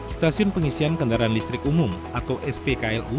stasiun pengisian kendaraan listrik umum atau spklu